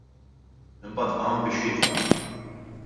Imbagħad qam biex jitlaq.